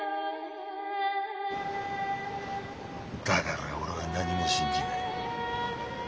だから俺は何も信じない。